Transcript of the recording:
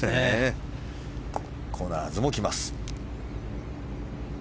コナーズも来ます。